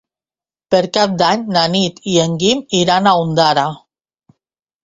Per Cap d'Any na Nit i en Guim iran a Ondara.